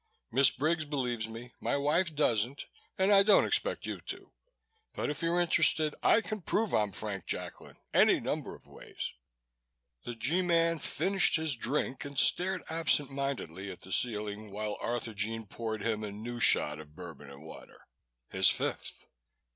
"Miss Briggs believes me, my wife doesn't, and I don't expect you to. But if you're interested, I can prove I'm Frank Jacklin any number of ways." The G Man finished his drink and stared absent mindedly at the ceiling, while Arthurjean poured him a new shot of Bourbon and water his fifth.